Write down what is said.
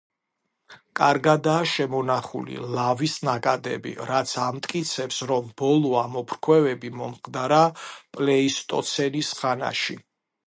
კარგადაა შემონახული ლავის ნაკადები, რაც ამტკიცებს, რომ ბოლო ამოფრქვევები მომხდარა პლეისტოცენის ხანაში.